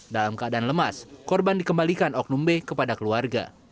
dalam keadaan lemas korban dikembalikan oknum b kepada keluarga